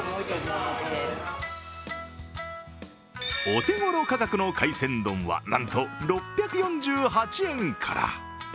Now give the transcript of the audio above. お手頃価格の海鮮丼はなんと６４８円から。